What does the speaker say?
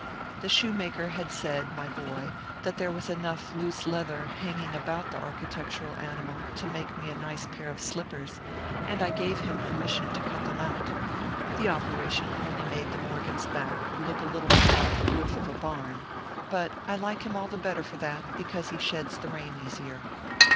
The shoemaker, had said, my boy, that there was enough loose leather hanging about the architectural animal to make me a nice pair of slippers, and I gave him permission to cut them out. The operation only made the Morgan s back look a little more like the roof of a barn ; but I like him all the better for that, because he sheds the rain easier.